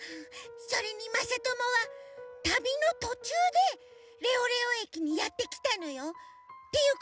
それにまさともは旅のとちゅうでレオレオ駅にやってきたのよ。